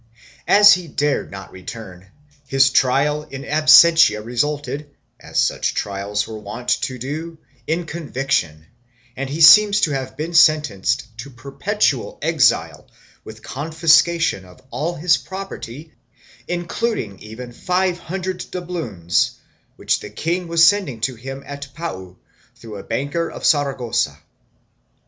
As he dared not return, his trial in absentia resulted, as such trials were wont to do, in conviction, and he seems to have been sentenced to perpetual exile with confiscation of all his property, including even five hundred doubloons which the king was send ing to him at Pan through a banker of Saragossa.